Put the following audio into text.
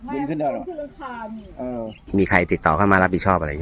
บ๊วยมีใครติดต่อกันมารับบิชอบอะไรยัง